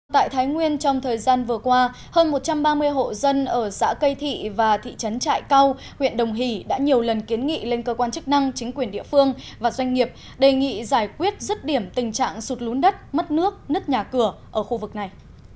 tại thái nguyên trong thời gian vừa qua hơn một trăm ba mươi hộ dân ở xã cây thị và thị trấn trại cao huyện đồng hỷ đã nhiều lần kiến nghị lên cơ quan chức năng chính quyền địa phương và doanh nghiệp đề nghị giải quyết rứt điểm tình trạng sụt lún đất mất nước nứt nhà cửa ở khu vực này